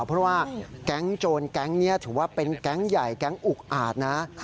เพราะว่าแก๊งโจรแก๊งนี้ถือว่าเป็นแก๊งใหญ่แก๊งอุกอาจนะ